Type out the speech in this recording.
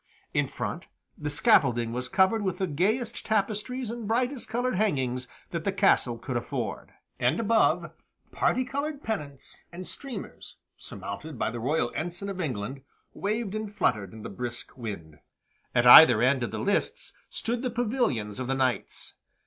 In front, the scaffolding was covered with the gayest tapestries and brightest colored hangings that the castle could afford. And above, parti colored pennants and streamers, surmounted by the royal ensign of England, waved and fluttered in the brisk wind. At either end of the lists stood the pavilions of the knights.